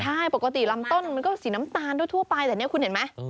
ใช่ปกติลำต้นมันก็สีน้ำตาลทั่วไปแต่เนี่ยคุณเห็นไหม